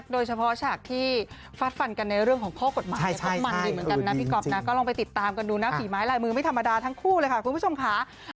ฉากที่ฟาดฟันกันในเรื่องของข้อกฎหมายก็มันดีเหมือนกันนะพี่ก๊อฟนะก็ลองไปติดตามกันดูนะฝีไม้ลายมือไม่ธรรมดาทั้งคู่เลยค่ะคุณผู้ชมค่ะ